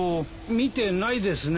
見てないですね。